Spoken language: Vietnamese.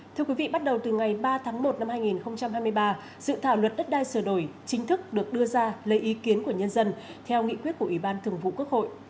thưa quý vị bắt đầu từ ngày ba tháng một năm hai nghìn hai mươi ba dự thảo luật đất đai sửa đổi chính thức được đưa ra lấy ý kiến của nhân dân theo nghị quyết của ủy ban thường vụ quốc hội